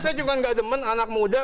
saya cuma nggak demen anak muda